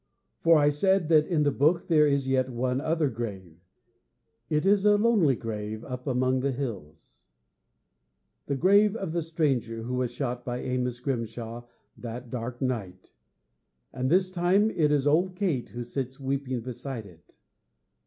For I said that, in the book, there is yet one other grave. It is a lonely grave up among the hills the grave of the stranger who was shot by Amos Grimshaw that dark night; and this time it is old Kate who sits weeping beside it.